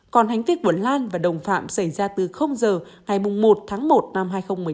còn hành vi của lan và đồng phạm xảy ra từ giờ ngày một tháng một năm hai nghìn một mươi tám